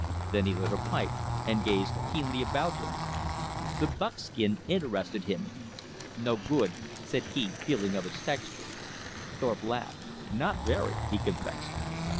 Then he lit a pipe, and gazed keenly about him. The buckskin interested him. "No good," said he, feeling of its texture. Thorpe laughed. "Not very," he confessed.